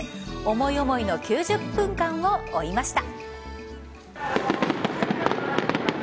思い思いの９０分間を追いました。